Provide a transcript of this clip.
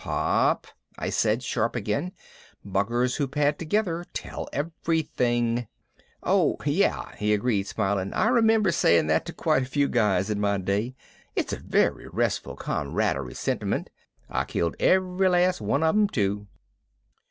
"Pop!" I said, sharp again. "Buggers who pad together tell everything." "Oh yeah," he agreed, smiling. "I remember saying that to quite a few guys in my day. It's a very restful comradely sentiment. I killed every last one of 'em, too."